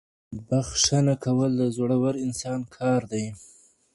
بښنه کول د زړور انسان کار دی.